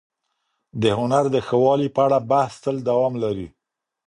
د هنر د ښه والي په اړه بحث تل دوام لري.